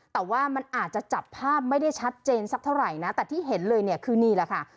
แต่ว่ามันอาจจะจับภาพไม่ได้ชัดเจนสักเท่าไหร่นะแต่ที่เห็นเลยเนี่ยคือนี่แหละค่ะ